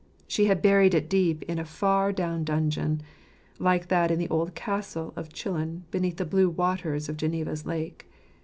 She had buried it deep in a far down dungeon, like that in the old castle of Chillon beneath the blue waters of Geneva's lake.